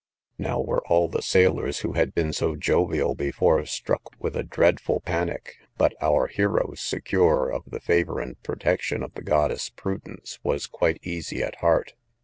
Now were all the sailors, who had been so jovial before, struck with a dreadful panic; but our hero, secure of the favour and protection of the goddess prudence, was quite easy at heart.